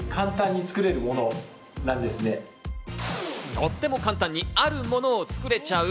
とっても簡単にあるものを作れちゃう。